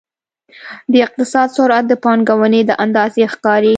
د اقتصاد سرعت د پانګونې له اندازې ښکاري.